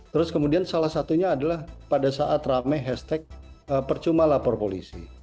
terus kemudian salah satunya adalah pada saat rame hashtag percuma lapor polisi